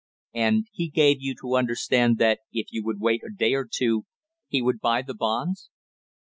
"And he gave you to understand that if you would wait a day or two he would buy the bonds."